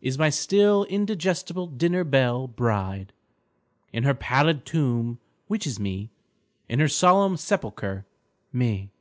Is n^y still indigestible dinner belle bride, In her pallid tomb, which is Me, In her solemn sepulcher, Me.